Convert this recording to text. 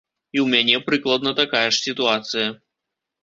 І ў мяне прыкладна такая ж сітуацыя.